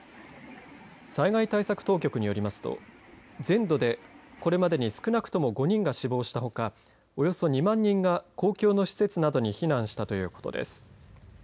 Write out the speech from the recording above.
災害対策当局によりますと全土で、これまでに少なくとも５人が死亡したほかおよそ２万人が公共の施設などに避難したということです。